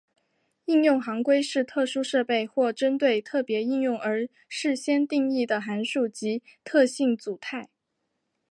应用行规是特殊设备或针对特别应用而事先定义的函数及特性组态。